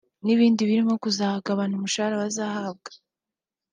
n’ibindi birimo kuzagabana umushahara bazahabwa